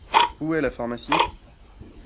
Où est la pharmacie ?